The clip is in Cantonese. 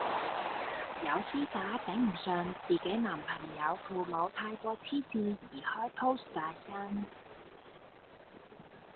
有絲打頂唔順自己男朋友父母太過痴線而開 post 大呻